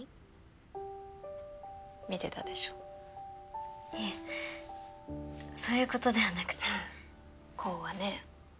見てたでしょいえそういうことではなくて煌はね